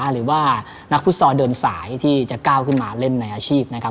หรือว่านักฟุตซอลเดินสายที่จะก้าวขึ้นมาเล่นในอาชีพนะครับ